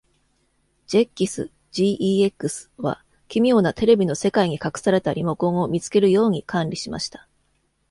ジェッキス （Gex） は奇妙なテレビの世界に隠されたリモコンを見つけるよおうに管理しました。